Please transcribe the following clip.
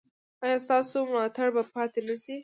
ایا ستاسو ملاتړ به پاتې نه شي؟